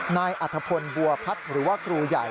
นายอัธพลบัวพัฒน์หรือว่าครูใหญ่